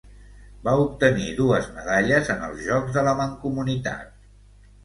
Va obtenir dues medalles en els Jocs de la Mancomunitat.